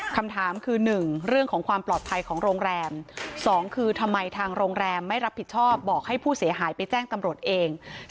คำถามคือ๑เรื่องของความปลอดภัยของโรงแรม๒คือทำไมทางโรงแรมไม่รับผิดชอบบอกให้ผู้เสียหายไปแจ้งตำรวจเอง